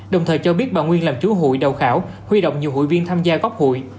đồng thời cho biết bà nguyên làm chủ hội đầu khảo huy động nhiều hội viên tham gia góp hụi